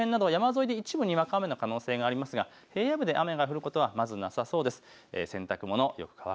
秩父周辺など山沿いで一部にわか雨の可能性がありますが平野部で雨が降ることはまずなさそうです。